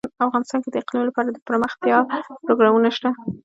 افغانستان کې د اقلیم لپاره دپرمختیا پروګرامونه شته.